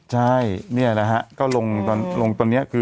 ใช่นี่นะฮะก็ลงด้านลงตอนเนี้ย